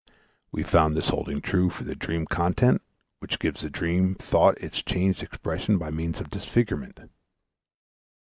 We found this holding true for the dream content, which gives the dream thought its changed expression by means of disfigurement.